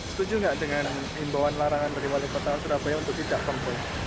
setuju nggak dengan imbauan larangan dari wali kota surabaya untuk tidak tempuh